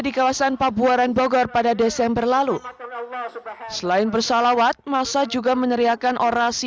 di kawasan pabuaran bogor pada desember lalu selain bersalawat masa juga meneriakan orasi